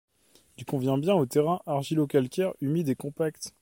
Il convient bien aux terrains argilo-calcaires humides et compacts.